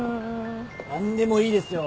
何でもいいですよ！